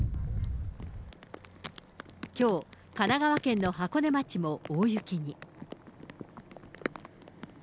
きょう、神奈川県の箱根町も大雪に。